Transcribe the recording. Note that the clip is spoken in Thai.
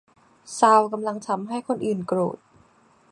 ซาลกำลังทำให้คนอื่น ๆ โกรธ